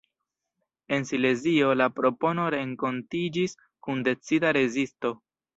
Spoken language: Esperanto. En Silezio la propono renkontiĝis kun decida rezisto.